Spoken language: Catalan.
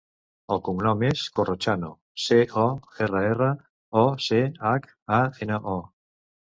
El cognom és Corrochano: ce, o, erra, erra, o, ce, hac, a, ena, o.